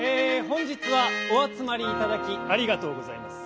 本日はおあつまりいただきありがとうございます。